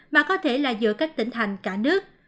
mà có thể là giữa các tỉnh thành cả nước